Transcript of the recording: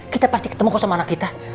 kita pasti ketemu sama anak kita